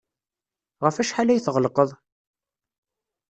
Ɣef wacḥal ay tɣellqeḍ?